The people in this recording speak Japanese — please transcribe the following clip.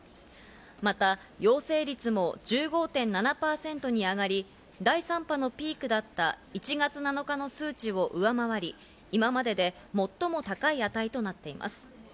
また陽性率も１５．７％に上がり、第３波のピークだった１月７日の数値を上回り、今までで最も高い値となっています。